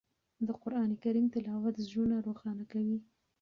د قرآن کریم تلاوت زړونه روښانه کوي.